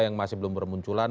yang masih belum bermunculan